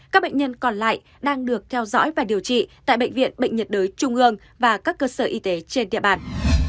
các bệnh nhân còn lại đang được theo dõi và điều trị tại bệnh viện bệnh nhiệt đới trung ương và các cơ sở y tế trên địa bàn